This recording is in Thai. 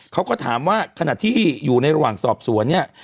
เขาก็ถามว่าขณะที่อยู่ในระหว่างสอบสวนเนี่ย